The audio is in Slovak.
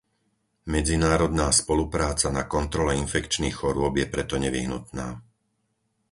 Medzinárodná spolupráca na kontrole infekčných chorôb je preto nevyhnutná.